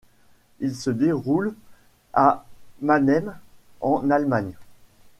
Il se déroule à Mannheim en Allemagne.